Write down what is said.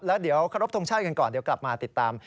แล้วเดี๋ยวขอรบทรงชาติกันก่อนเดี๋ยวกลับมาติดตาม